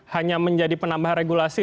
hanya menjadi penambah regulasi